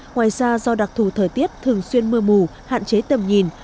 ngoài ra do đặc thù thời tiết thường xuyên mưa mù hạn chế tầm nhìn